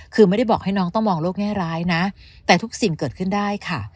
คือไม่ได้บอกให้น้องต้องมองโลกแง่ร้ายนะแต่ทุกสิ่งเกิดขึ้นได้ค่ะ